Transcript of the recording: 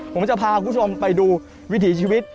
ผมจะพาคุณผู้ชมไปดูวิถีชีวิต